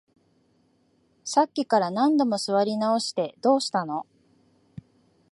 さっきから何度も座り直して、どうしたの？